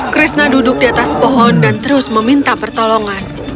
krishna duduk di atas pohon dan terus meminta pertolongan